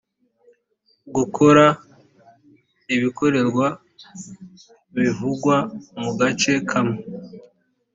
gukora ibikorwa bivugwa mu gace kamwe